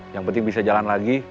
yang penting bisa jalan lagi